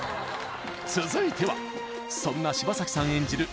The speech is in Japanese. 続いてはそんな柴咲さん演じる